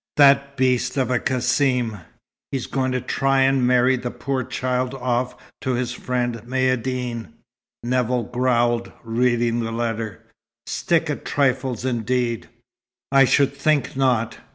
"That beast of a Cassim! He's going to try and marry the poor child off to his friend Maïeddine!" Nevill growled, reading the letter. "Stick at trifles indeed! I should think not.